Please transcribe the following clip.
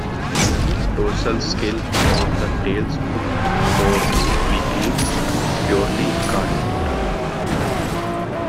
Dorsal scales on the tail smooth or weakly pluricarinate.